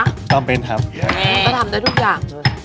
ก็ต้องเป็นทำอย่างนี้